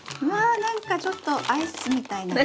なんかちょっとアイスみたいな感じ。